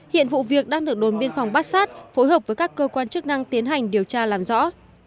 hiện vụ việc đang được đồn biên phòng bát sát phối hợp với các cơ quan chức năng tiến hành điều tra làm rõ